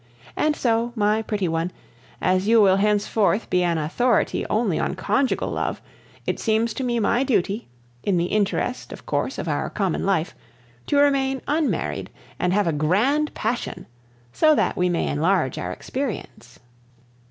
And so, my pretty one, as you will henceforth be an authority only on conjugal love, it seems to me my duty in the interest, of course, of our common life to remain unmarried, and have a grand passion, so that we may enlarge our experience.